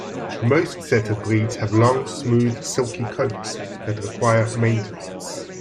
Most setter breeds have long smooth, silky coats that require maintenance.